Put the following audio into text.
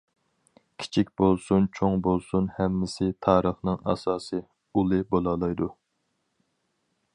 كىچىك بولسۇن چوڭ بولسۇن ھەممىسى تارىخنىڭ ئاساسى، ئۇلى بولالايدۇ.